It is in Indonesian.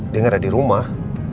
dia gak ada di rumah